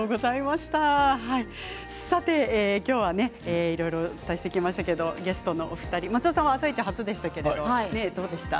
今日はいろいろお伝えしてきましたがゲストのお二人松田さんは「あさイチ」初めてでどうでしたか？